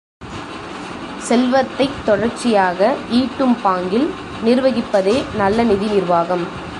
செல்வத்தைத் தொடர்ச்சியாக ஈட்டும் பாங்கில் நிர்வகிப்பதே நல்ல நிதி நிர்வாகம்.